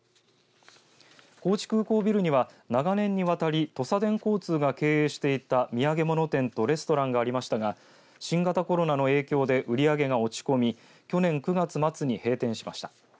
高知空港ビルには長年にわたりとさでん交通が経営していた土産物店とレストランがありましたが新型コロナの影響で売り上げが落ち込み去年９月末に閉店しました。